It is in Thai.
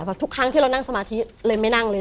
ทุกครั้งที่เรานั่งสมาธิเลยไม่นั่งเลย